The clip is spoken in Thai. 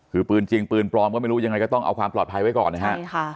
คือปืนจริงปืนปลอมก็ไม่รู้ยังไงก็ต้องเอาความปลอดภัยไว้ก่อนนะฮะ